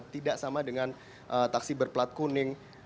tidak sama dengan taksi berplat kuning